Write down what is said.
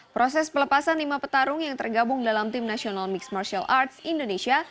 proses pelepasan lima petarung yang tergabung dalam tim nasional mixed martial arts indonesia